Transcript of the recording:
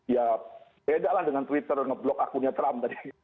ya bedalah dengan twitter ngeblok akunnya trump tadi